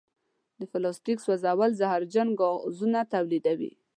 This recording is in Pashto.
د پلاسټیک سوځول زهرجن ګازونه تولیدوي.